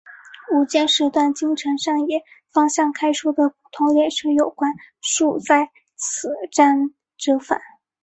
午间时段京成上野方向开出的普通列车有半数在此站折返。